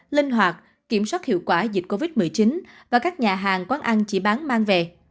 linh hoạt kiểm soát hiệu quả dịch covid một mươi chín và các nhà hàng quán ăn chỉ bán mang về